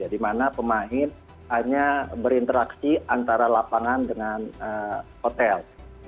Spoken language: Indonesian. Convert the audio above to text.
di mana pemain hanya berinteraksi antara lapangan dengan hotel